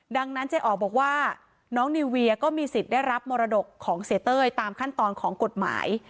ดังนั้นเจ๊อ๋อบอกว่าน้องนิวเวียก็มีสิทธิ์ได้รับมรดกของเสียเต้ยตามขั้นตอนของกฎหมาย